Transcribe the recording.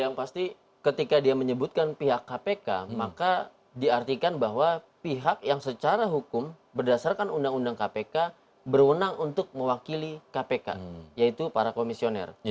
yang pasti ketika dia menyebutkan pihak kpk maka diartikan bahwa pihak yang secara hukum berdasarkan undang undang kpk berwenang untuk mewakili kpk yaitu para komisioner